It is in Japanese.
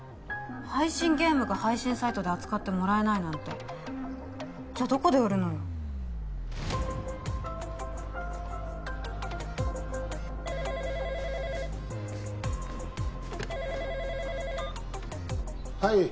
配信ゲームが配信サイトで扱ってもらえないなんてじゃあどこで売るのよはい